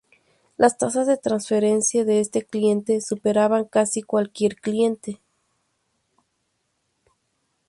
Las tasas de transferencia de este cliente superaban casi cualquier cliente.